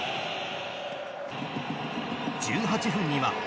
１８分には。